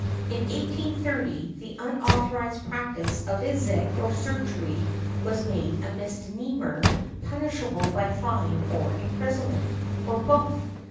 In 1830, the unauthorized practice of physic or surgery was made a misdemeanor punishable by fine or imprisonment, or both.